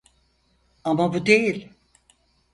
Ama bu değil.